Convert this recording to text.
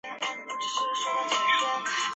圣让卡弗尔拉。